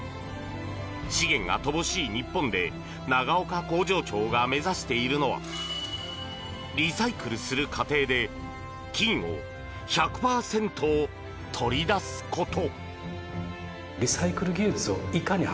資源が乏しい日本で長岡工場長が目指しているのはリサイクルする過程で金を１００％取り出すこと。